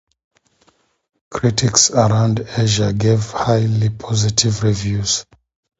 Critics around Asia gave highly positive reviews.